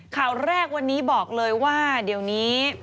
ข่าวแรกวันนี้บอกเลยว่าเดี๋ยวนี้